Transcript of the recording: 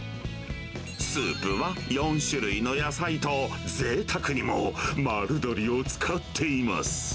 スープは４種類の野菜とぜいたくにも丸鶏を使っています。